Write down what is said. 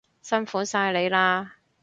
辛苦晒你喇